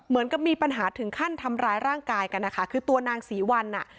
เหมือนกับมีปัญหาถึงขั้นทำร้ายร่างกายกันนะคะคือตัวนางศรีวัลอ่ะ